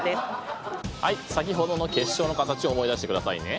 はい先ほどの結晶の形を思い出してくださいね。